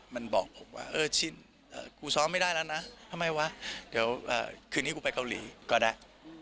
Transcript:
มันบอกผมว่าเออชินกูซ้อมไม่ได้แล้วนะทำไมวะเดี๋ยวคืนนี้กูไปเกาหลีก็ได้